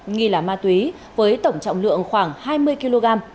nghi là ma túy với tổng trọng lượng khoảng hai mươi kg